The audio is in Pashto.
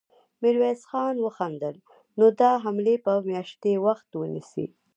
ميرويس خان وخندل: نو دا حملې به مياشتې وخت ونيسي.